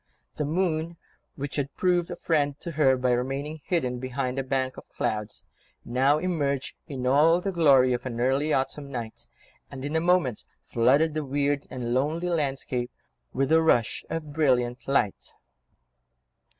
The moon, which had proved a friend to her by remaining hidden behind a bank of clouds, now emerged in all the glory of an early autumn night, and in a moment flooded the weird and lonely landscape with a rush of brilliant light.